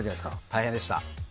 大変でした。